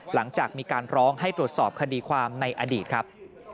หลังจากมีการร้องให้ตรวจสอบคดีความในอดีตครับ